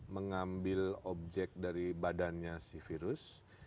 mengambil objek dari badannya si virus